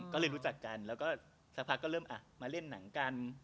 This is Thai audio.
ก็เลยรู้จักกันแล้วก็สักพักก็เริ่มมาเล่นหนังกัน